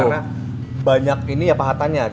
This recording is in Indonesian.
karena banyak ini ya pahatannya gitu ya